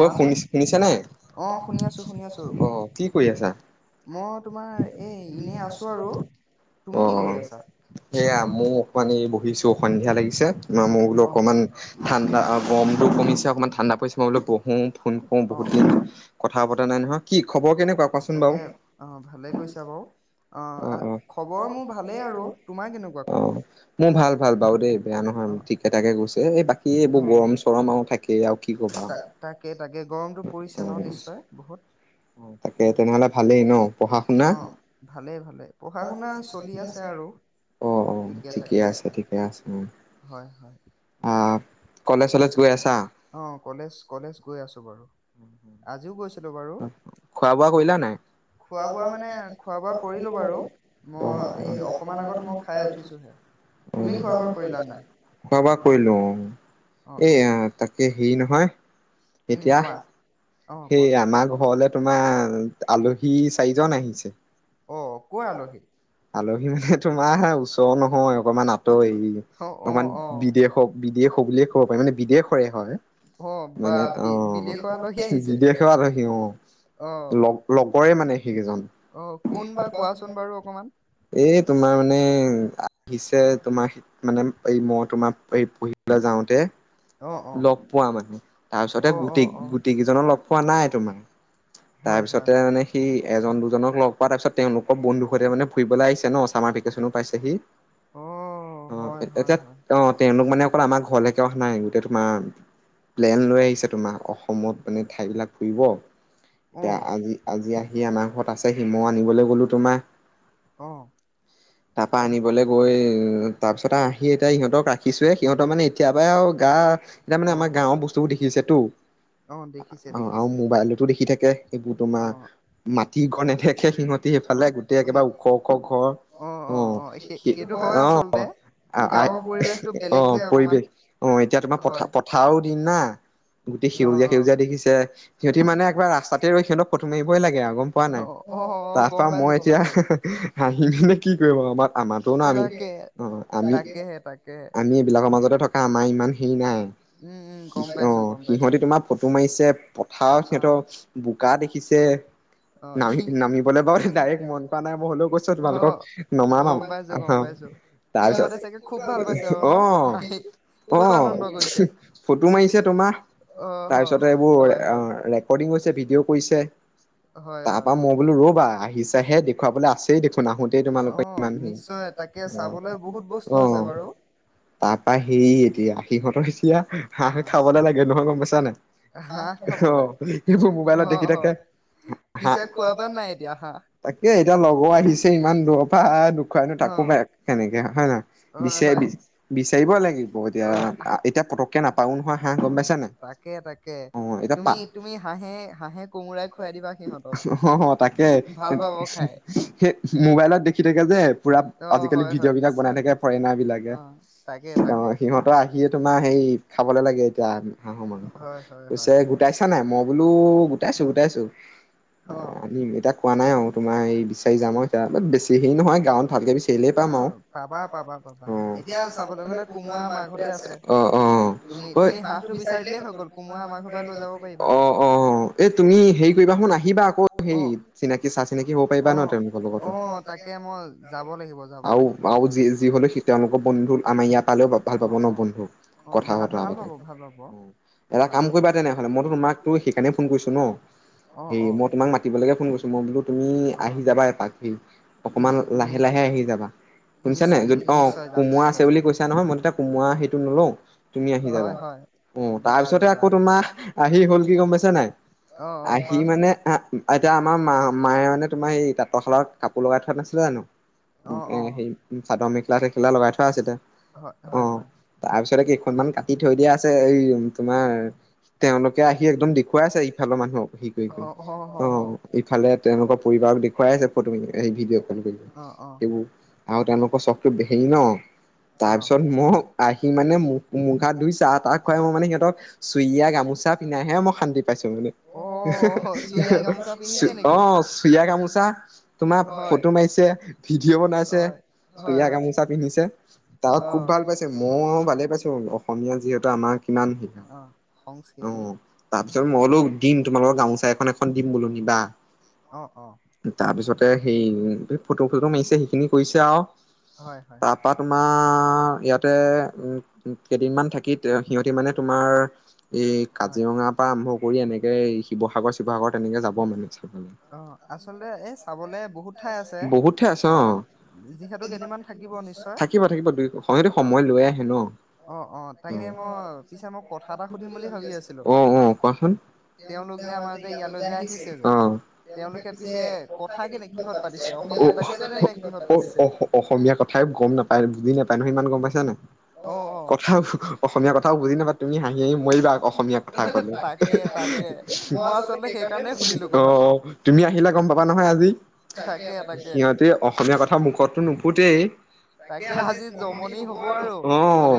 অ শুনি শুনিছ নে অ কি কৰি আছা অ সেয়া মোৰ অকমানি এই বহিছো সন্ধিয়া লাগিছে ম মোৰ বোলো অকনমান ঠাণ্ডা গৰমটো কমিছে অকমান ঠাণ্ডা পৰিছে। পঢ়ো ফোন কৰো বহুত দিন কথা পতা নাই নহয় কি খবৰ কেনেকুৱা কোৱাচোন বাৰু অ অ অ মোৰ ভাল ভাল বাৰু দেই বেয়া নহয় ঠিকে থাকে গৈছে? এই বাকী। সি এইবোৰ গৰম চৰম আৰু থাকে? কিয়। তাকে তেনেহলে ভালেই ন পঢ়া শুনা অ ঠিকে আছে ঠিকে আছে অ আহ। কলেজ চলেজ গৈ আছা। কলেজ চলেজ গৈ আছোঁ বাৰু। আজিও গৈছো। খোৱা বোৱা কৰিলা নাই খোৱা বোৱা কৰিলো অ। এয়া তাকে হেৰি নহয়। এতিয়া সেই আমাক। ঘৰলে তোমাৰ আলহী চাৰিজন আহিছে। আলহী মানে তোমাৰ ওচৰৰ নহয় অকমান আঁতৰ এই অকমান বিদেশৰ বিদেশৰে বুলিয়ে ক'ব পাৰি মানে বিদেশৰে হয় মানে অ বিদেশৰ আলহী অ লগ লগৰে মানে সেই কেইজন এই তোমাৰ মানে আহিছে তোমাৰ মানে এই মই তোমাক এই পঢ়িবলৈ যাওতে লগ পোৱা মানে তাৰ পিছতে গোটে-গোটেই কেইজনক লগ পোৱা নাই তোমাৰ। তাৰপিছতে মানে সি এজন, দুজনক লগ পোৱা তাৰপিছত তেওঁলোকৰ বন্ধু সৈতে মানে ফুৰিবলৈ আহিছে ন চামাৰ ভেকেচনো পাইছে সি অ' এয়া অ' তেওঁলোক মানে ঘৰলৈকে অহা নাই গোটেই তোমাৰ প্লেন লৈ আহিছে তোমাৰ অসমত মানে ঠাই বিলাক ফুৰিব। এতিয়া আজি আজি আহি আমাৰ ঘৰত আছে সি ময়ও আনিবলৈ গলো তোমাৰ তাৰপা আনিবলৈ গৈ তাৰ পিছত আহি এতিয়া ইহঁতক ৰাখিছো এতিয়া পৰাই আৰু গা এাৰ মানে আমাৰ গাওৰ বস্তুবোৰ দেখিছেতো অ আৰু মোবাইলতো দেখি থাকে। এইবোৰ তোমাৰ মাটিৰ ঘৰ নেদেখে সিহঁতি সেইফালে গোটেই একেবাৰে ওখঁ ওখঁ ঘৰ অ অ অ। পৰিৱেশ অ এতিয়া তোমাৰ প পথাৰৰ দিন না গোটেই সেউজীয়া সেউজীয়া দেখিছে সিহঁতি মানে একবাৰ ৰাস্ত ছা ৰ সিহঁতক ফটো মাৰিবই লাগে গম পোৱা নাই তাৰ পৰা মই এতিয়া হাঁহি মানে কি কৰিব আমাৰ আমাৰো ন আমি ন আমি আমি। বিলাকৰ মাজতে থকা আমাৰ ইমান হেৰি নাই। অ সিহঁতে তোমাৰ ফটো মাৰিছে পথাৰত সিহঁতৰ গা দেখিছে নামি নামিবলৈ পাৰ ডাইৰেক্ট মন পোৱা নাই বই হলেও কৈছ তোমালোকক নমা তাৰপিছত অ আহ। ফটো মাৰিছে তোমাৰ তাৰপিছত এইবোৰ ৰেকটিং কৰিছে তাৰ পৰা মই বোলো ৰবা আহিছা হে দেখুৱাবলৈ আছেই দেখোন আহোতেই তোমালোকৰ ইমান অ তাৰপা সে এতিয়া আহিহঁত তি খাবলে লাগে নহয় গম পাইছা নে অ এইবোৰ মোবাইলত সেই কিতাপকে হাঁহ তাকে এতিয়া লগৰ আহিছে ইমান দৰপা দেখুৱাইনো তাকো প কেনেকে হয় নে নহয়। বিচাৰ বিচাৰিব লাগিব এতিয়া এতিয়া পতককে নাপও নহয় হাঁহ গম পাইছা নে অ এতিয়া পা অ তাকে সেই মোবাইলত দেখি থাকে যে পুৰা আজিকালি ভিডিঅ' বিলাক বনাই থাকে। ফৰেনাৰ বিলাকে সিহঁতৰ আহিয়ে তোমাৰ সেই খাবলৈ লাগে এতিয়া হাঁহৰ মানুহ পছে গোটাইছা নাই মই বোলো। গোটাইছো গোটাইছো আনিম এতিয়া কোৱা নাই আৰু তোমাৰ এই বিচাৰি যাম আৰু এয়া অলপ বেছি হেৰি নহয় গাঁৱত ভালকে বিচাৰিলেই পাম আও অ অ, অ, অ অ, তুমি হেৰি কৰিবা শুন আহিবা আকৌ সেই চিনাকি চা চিনাকি হব পাৰিবা ন তেওঁলোকৰ লগত আৰু আৰু যি যি হ'লে সি তেওঁলোকৰ বন্ধুৰ। আমাৰ ইয়াৰ পালেও ভাল পাব ন বন্ধু কথা বতৰা এটা কাম কৰিবা তেনেহলে মই তোমাকতো সেইকাৰণে, সেইকাৰণেই মই তোমাক মাতিবলৈকে ফোন কৰিছো মই বোলো তুমি আহি যাবা এপাক সেই অকমান লাহে লাহে আহি যাবা শুনিছানে যদি অ কোমোৰা আছে বুলি কৈছা। কোমোৱা সেইটো নলও তুমি আহি যাবা অ তাৰ পিছতেে আকৌ তোমাৰ আহি হল কি গম পাইছা নাই? আহি মানে এতিয়া আমাৰ মা মায়ে মানে তোমাৰ সেই তাঁতৰশালৰ কাপোৰ লগাই থোৱা নাছিলে জানো এ সেই চাদৰ মেখেলা চেখেলা লগাই থোৱা আছিলে। অ তাৰপিছতে কেইখনমান কাটি থৈ দিয়া আছে এই তোমাৰ তেওঁলোকে আহি একদম দেখুৱাই আছেহি। মানুহ সেই কৰি কৰি ইফালে তেওঁলোকৰ পৰিবাৰক দেখুৱাই আছে ফটো স ভিডিঅ' ফটো সেইবোৰ আৰু তেওঁলোক। কচকতটো বেৰিম ন তাৰ পিছত মই আহি মানে মু মু হাত ধুইয়া চাহ তাহ খুৱাই মই মানে সিহঁতক চুইয়া গামোচা পিন্ধাইহে মই শান্তি পাইছো মানে। অ চুয়াই গামোচা তোমাৰ ফটো মাৰিছে ভিডিঅ' বনাইছে। চুইয়া গামোচা পিন্ধিছে তাক খুব ভাল পাইছে মই ভালেই পাইছো অসমীয়া যিহেতু আমাৰ কিমান অ তাৰ পিছত মই কলো। মই তোমালোকক গামোচা এখন এখন দিম বোলি কিবা তাৰ পিছতে সেই ফটো চটো মাৰিছে সেইখিনি কৰিছে আৰু, তাৰপা তোমাৰ ইয়াতে উম কেইদিনমান থাকি সিহতি মানে তোমাৰ এই কাজিৰঙা পৰা আৰম্ভ কৰি এনেকে, শিৱসাগৰ-শিৱসাগৰ তেনেকে যাব মানে চাবলৈ বহুতহে আছে। অ' যিহেতু কেইদিনমান থাকিব নিশ্চয় অ-অ-অ, তাকে মই পিছে মই কথা এটা সুধিম বুলি ভাবি আছিলো। অ, অ' অসমীয়া কথাইও গম নাপায় বুজি নাপায়, ইমান গম পাই। হয় নাই [unintelligible] কথা অসমীয়া কথাও বুজি নাপাই, তুমি হাঁহি আহি মৰিবা অসমীয়া কথা কলে। অ' তুমি আহিলা গম পাবা নহয় আজি। সিহঁতে অসমীয়া কথা মুখতো নুফোতেই অ'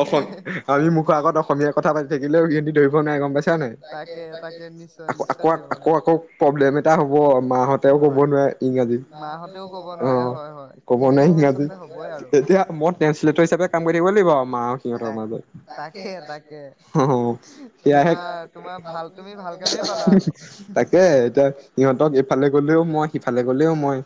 অসম আমি মুখৰ আগত অসমীয় কথা পাতি থাকিলেও কিন্তু ধৰিব নাই গম পাইছ আকৌ-আকৌ প্ৰব্লেম এটা হব মাহতেও কব নোৱাৰে ইংৰাজী। অ' কব নোৱাৰে ইংৰাজী এতিয়া মই তে সেইটো হিচাপে কাম কৰিব লাগিব আৰু মা সিহঁতৰ মাজত সয়াহে। তাকে এতিয়া সিহঁতক এইফালে গলেও মই, সিফালে গলেও মই,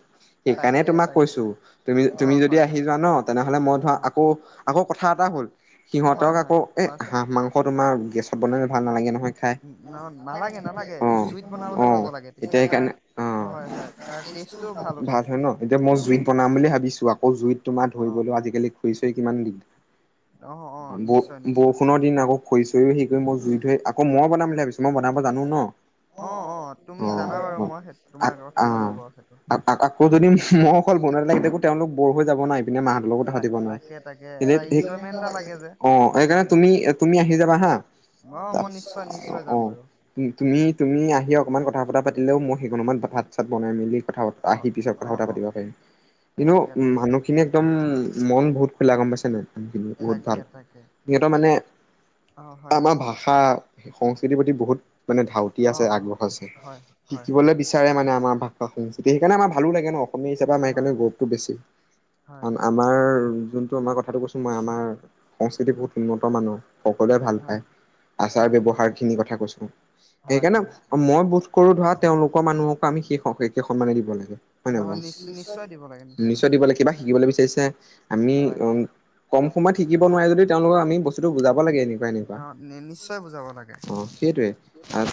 সেইকাৰণে তোমাক কৈছো তুমি-তুমি, যদি আহি যোৱা ন তেনেহলে মই তোমাক আকৌ কথা এটা হ'ল, সিহঁতক আকৌ এ হাঁহ মাংস তোমাৰ গেছত বনালে ভাল নালাগে নহয়। অ-অ, এতিয়া সেইকাৰণে অ' ভাল হয় ন। এতিয়া মই জুইত বনাম বুলি ভাবিছো আকৌ জুইত তোমাৰ ধৰিবলৈ, আজিকালি শুইছে কিমান দিন ব বৰষুণৰ দিন আকৌ খৰি-চৰিও, সেই কৰি মই জুই থৈ আ মই বনাম বুলি ভাবিছো মই বনাব জানো ন। অ-অ, আকৌ যদি মই বনোৱাত লাগি থাকোঁ, তেওঁলোক বৰ হৈ যাব ন এইপিনে মাহঁতৰ লগতো কথা পাতিব নোৱাৰে। অ' সেইকাৰণে তুমি-তুমি আহি যাবা হা। অ' তুমি-তুমি আহি অকণমান কথা চথা পাতিলেও, মই সেইখিনি সময়ত ভাত চাত বনাই মেলি কথা বতৰা আহি পিছত কথা বতৰা পাতিব পাৰিম কিন্তু মানুহখিনি একদম মন বহুত খুলা গম পাইছ নাই। মানুহখিনি বহুত ভাল সিহঁতৰ মানে আমাৰ ভাষা সেই সংস্কৃতিৰ প্ৰতি বহুত মানে ধাউতি আছে। আগ্ৰহ আছে, শিকিবলৈ বিচাৰে মানে আমাৰ ভাষা সংস্কৃতি। তেতিয়া সেইকাৰণে আমাৰ ভালো লাগে ন, অসমীয়া হিচাপে আমাৰ সেইকাৰণে গৌৰৱটো বেছি। কাৰণ আমাৰ যোনটো আমাৰ কথাটো কৈছো আমাৰ সংস্কৃতি বহুত ভিন্নতা মানুহ সকলোৱে ভাল পায়। আ যাৰ ব্যৱহাৰ খিনি কথা কৈছো। সেইকাৰণে মই বোধ কৰো ধৰা তেওঁলোকৰ মানুহকো আমি সন্মানে দিব লাগে হয়নে নহয় বাৰু। নিশ্চয় দিব লাগে। কিবা শিকিবলৈ বিচাৰিছে আমি অ' কম সময়ত শিকিব নোৱাৰে যদি। তেওঁলোকক আমি বস্তুটো বুজাব অ' নিশ্চয় অ' সেইটোৱে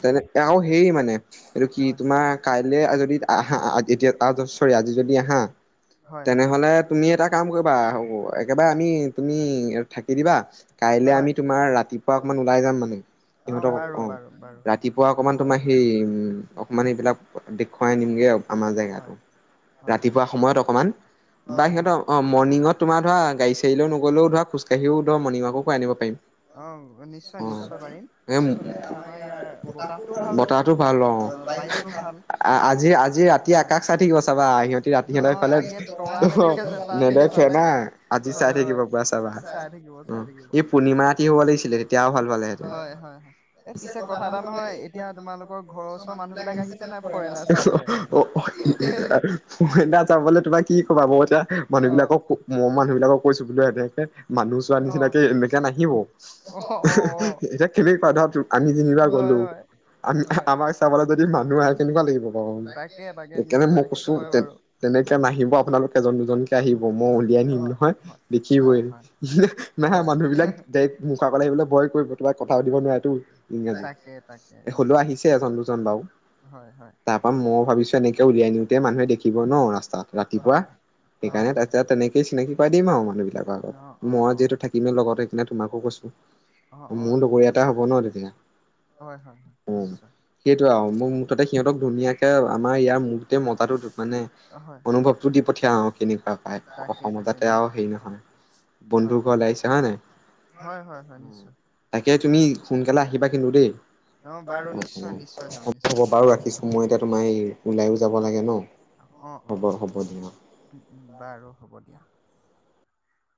তেনে আৰু সেই মানে এইটো কি তোমাৰ কাইলে যদি আহা। এতিয়া চৰি আজি যদি আহা, তেনেহলে তুমি এটা কাম কৰিবা একেবাৰে আমি তুমি থাকি দিবা। কাইলৈ আমি তোমাৰ ৰাতিপুৱা অকমান ওলাই যাম মানে। সিহঁতক অ ৰাতিপুৱা অকমান তোমাৰ সেই উম অকমান এইবিলাক দেখুৱাই আনিমগে আমাৰ জেগাটো ৰাতিপুৱা সময়ত অকমান বা সিহঁতৰ অ মৰ্ণিঙত তোমাৰ ধৰা গাড়ী চাৰ়ীলৈও নগলেও ধৰা খোজকাঢ়িও ধৰা মৰ্ণিং ৱাকো কৰাই আনিব পাৰিম অ আচলতে আমাৰ ইয়াৰ বতাহটোও ভাল যে অ বায়ুটো ভাল আ আজি আজি ৰাতি আকাশ চাই থাকিব চাবা সিহঁতি ৰাতি সিহঁতৰফালে নেদেখে না আজি চাই থাকিব পুৰা চাবা উম ই পূৰ্ণিমা ৰাতি হব লাগিছিলে তেতিয়াও ভাল পালেঁহেতেন হয় হয় এ পিছে কথা এটা নহয় এতিয়া তোমালোকৰ ঘৰৰ ওচৰৰ মানুহবিলাক আহিছে নাই [unintelligible] যাবলে তোমাক কি কবা বাও এতিয়া মানুহ বিলাকক মই মানুহ বিলাকক কৈছো বোলো এনেকে মানুহ চোৱা নিচিনাকে এনেকে নাহিব এতিয়া [unintelligible] আমি যেনিবা গ'লো আমি আমাৰ চাবলৈ যদি মানুহ আহে কেনেকুৱা [unintelligible] সেইকাৰণে মই কৈছো তেনেকে নাহিব আপোনালোকে এজন দুজনকে আহিব মই উলিয়াই নিম নহয় দেখিবই [unintelligible] নাহে মানুহ বিলাক ডাইৰেক্ মুখ আগলৈ আহিবলৈ ভয় কৰিব তোমাক [unintelligible] এ হলেও আহিছে এজন দুজন বাৰু। মই ও ভাবিছো এনেকে উলিয়াই নিওতে মানুহে দেখিব ন ৰাস্তাত ৰাতিপুৱা সেইকাৰণে তেনেকে চিনাকি কৰাাই দিম আৰু মানুহ বিলাকৰ আগত মই যিহেতু থাকিমেই লগত সেই কিনে তোমাকো কৈছো। লগৰ এটা হব ন তেতিয়া, উম সেইটোৱে আৰু মোক মুঠতে সিহঁতে ধুনীয়াকে আমাৰ ইয়াৰ [unintelligible] মতাটো মানে অনুভৱটো দি পঠিয়াও আৰু কেনেকুৱা পাই অসমত যাতে আৰু হেৰি নহয় বন্ধুসকল আহিছে হয় নাই, উম। তাকে তুমি সোনকালে আহিবা কিন্তু দেই উম হ'ব বাৰু ৰাখ। মই এতিয়া তোমাৰ এই ওলাইয়ো যাব লাগে ন। অ অ -অ উম উম বাৰু হ'ব দিয়া।